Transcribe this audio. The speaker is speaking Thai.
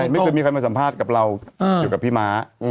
ไม่เคยมีใครมาสัมภาษณ์กับเราเกี่ยวกับพี่ม้า